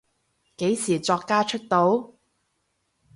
幾時作家出道？